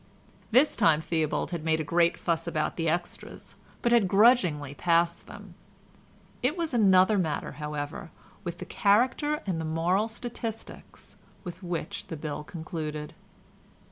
This time Theobald had made a great fuss about the extras, but had grudgingly passed them; it was another matter, however, with the character and the moral statistics, with which the bill concluded.